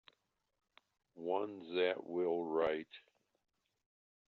One that will write.